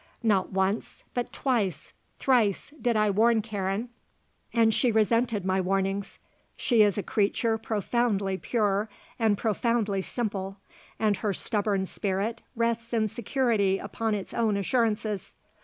Not once but twice, thrice, did I warn Karen, and she resented my warnings. She is a creature profoundly pure and profoundly simple and her stubborn spirit rests in security upon its own assurances.